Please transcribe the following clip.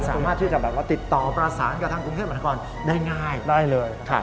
สามารถที่จะแบบว่าติดต่อประสานกับทางกรุงเทพมหานครได้ง่ายได้เลย